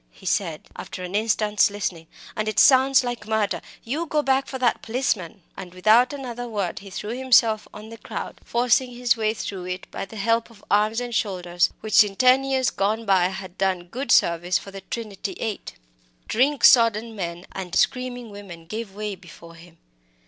he said, after an instant's listening, "and it sounds like murder. You go back for that policeman!" And without another word he threw himself on the crowd, forcing his way through it by the help of arms and shoulders which, in years gone by, had done good service for the Trinity Eight. Drink sodden men and screaming women gave way before him.